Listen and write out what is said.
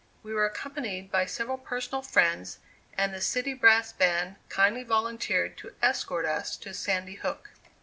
We were accompanied by several personal friends, and the City Brass Band kindly volunteered to escort us to Sandy Hook.